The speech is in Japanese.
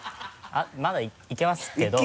まだいけますけど。